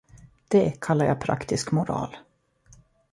Det kallar jag praktisk moral.